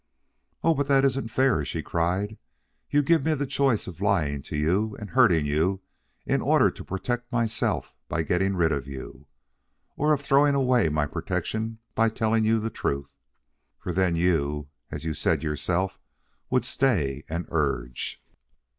"Oh, but that isn't fair," she cried. "You give me the choice of lying to you and hurting you in order to protect myself by getting rid of you, or of throwing away my protection by telling you the truth, for then you, as you said yourself, would stay and urge."